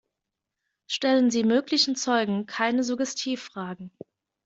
Stellen Sie möglichen Zeugen keine Suggestivfragen.